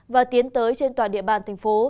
và tiến tới trên toàn địa bàn thành phố